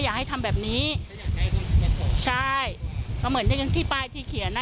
ใช่เพราะเหมือนที่ป้ายที่เขียน